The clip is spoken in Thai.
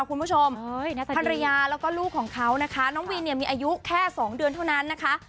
คุณผู้ชมภรรยาแล้วก็ลูกของเขานะคะน้องวินเนี่ยมีอายุแค่๒เดือนเท่านั้นนะคะ